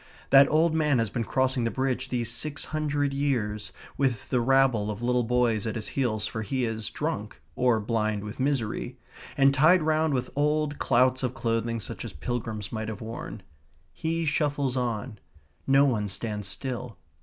That old man has been crossing the Bridge these six hundred years, with the rabble of little boys at his heels, for he is drunk, or blind with misery, and tied round with old clouts of clothing such as pilgrims might have worn. He shuffles on. No one stands still.